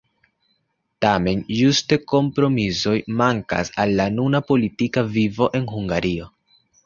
Tamen ĝuste kompromisoj mankas al la nuna politika vivo en Hungario.